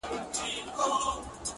• شېخ سره وښورېدی زموږ ومخته کم راغی ـ